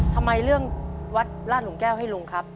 ทำไมเลือกวัดราชหลุมแก้วให้ลุงครับ